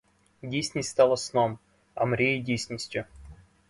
Дійсність стала сном, а мрії дійсністю.